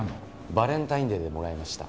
バレンタインデーでもらいました。